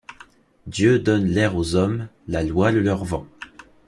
Dieu donne l’air aux hommes, la loi le leur vend.